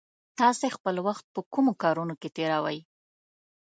تاسې خپل وخت په کومو کارونو کې تېروئ؟